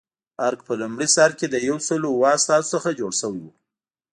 درګ په لومړي سر کې له یو سل اوه استازو څخه جوړ شوی و.